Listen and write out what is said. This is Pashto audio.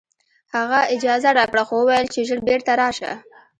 هغه اجازه راکړه خو وویل چې ژر بېرته راشه